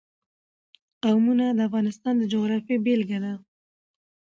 قومونه د افغانستان د جغرافیې بېلګه ده.